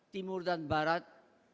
timur dan barat